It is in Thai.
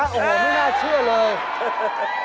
โอ้โหไม่น่าเชื่อเลย